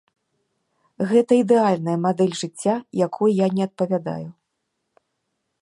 Гэта ідэальная мадэль жыцця, якой я не адпавядаю.